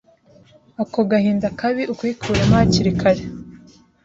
Ako gahinda kabi ukikuremo hakiri kare